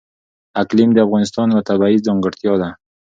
اقلیم د افغانستان یوه طبیعي ځانګړتیا ده.